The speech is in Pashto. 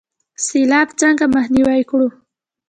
سیلاب څنګه مخنیوی کړو؟